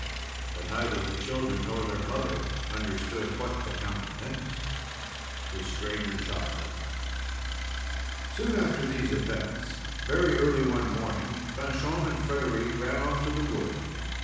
But neither the children nor their mother understood what the Count meant. THE STRANGER CHILD Soon after these events very early one morning Fanchon and Frederic ran off to the wood.